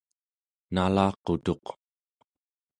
nalaqutuq